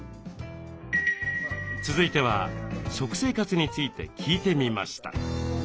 続いては食生活について聞いてみました。